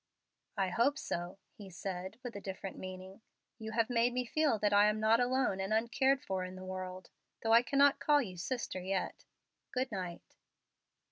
"I hope so," he said, with a different meaning. "You have made me feel that I am not alone and uncared for in the world, though I cannot call you sister yet. Good night."